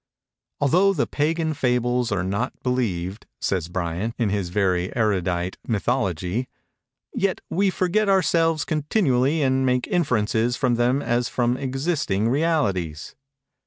"Although the Pagan fables are not believed," says Bryant, in his very erudite "Mythology," "yet we forget ourselves continually and make inferences from them as from existing realities."